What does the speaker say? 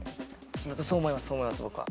そう思いますそう思います僕は。